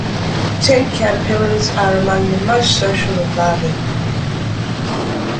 Tent caterpillars are among the most social of larvae.